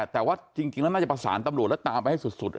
แต่ว่าจริงแล้วน่าจะประสานตำรวจแล้วตามไปให้สุด